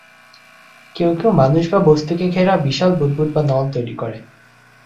কেউ কেউ মানুষ বা বস্তুকে ঘেরা বিশাল বুদবুদ বা নল তৈরি করে।